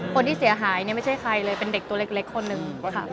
คนที่เสียหายเนี่ยไม่ใช่ใครเลยเป็นเด็กตัวเล็กคนหนึ่งค่ะ